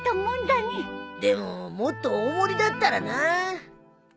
でももっと大盛りだったらなあ。